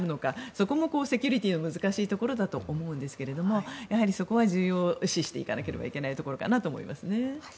そこもセキュリティーの難しいところだと思うんですがやはりそこは重要視していかなければいけないところかなと思いますね。